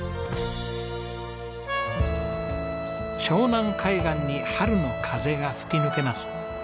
湘南海岸に春の風が吹き抜けます。